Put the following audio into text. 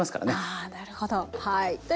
あなるほどはい。